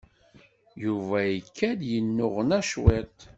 Yuba ikad-d yennuɣna cwiṭ.